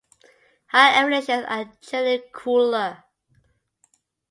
Higher elevations are generally cooler.